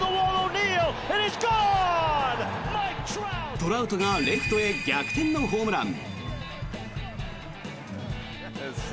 トラウトがレフトへ逆転のホームラン。